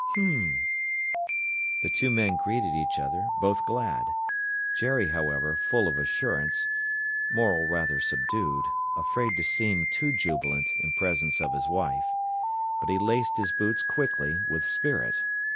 "H'm!" The two men greeted each other, both glad: Jerry, however, full of assurance, Morel rather subdued, afraid to seem too jubilant in presence of his wife. But he laced his boots quickly, with spirit.